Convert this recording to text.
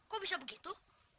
kok bisa begitu